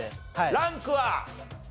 ランクは？